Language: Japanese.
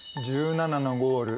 １７のゴール